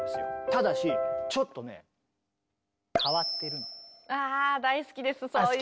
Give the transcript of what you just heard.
ただしちょっとねああ大好きですそういう人。